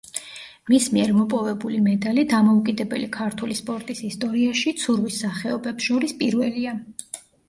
მის მიერ მოპოვებული მედალი დამოუკიდებელი ქართული სპორტის ისტორიაში, ცურვის სახეობებს შორის პირველია.